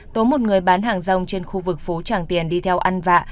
tố một người bán hàng rong trên khu vực phố tràng tiền đi theo ăn vạ